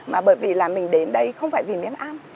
mà bởi vì là mình đến đây không phải vì nếp ăn